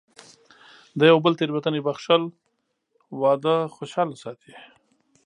د یو بل تېروتنې بښل، واده خوشحاله ساتي.